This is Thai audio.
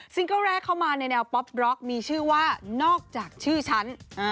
เกิ้ลแรกเข้ามาในแนวป๊อปบล็อกมีชื่อว่านอกจากชื่อฉัน